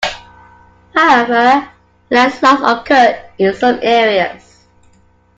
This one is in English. However landslides occur in some areas.